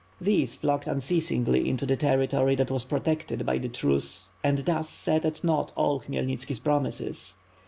These flocked unceasingly into the territory that was protected by the truce and thus set at naught all Khmyelnitski's promises.